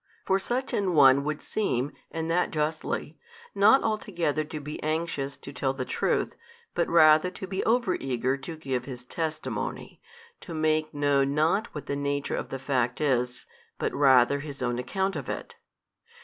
For such an one would seem (and that justly) not altogether to be anxious to tell the truth, but rather to be over eager to give his testimony, to make known not what the nature of the fact is, but rather his own account of it.